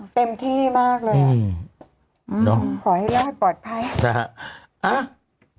เต็มที่มากเลยอืมอืมขอให้เล่าให้ปลอดภัยนะฮะอ่ะ